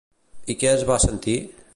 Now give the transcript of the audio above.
I què es va sentir?